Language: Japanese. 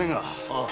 ああ。